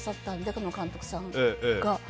この監督さんが。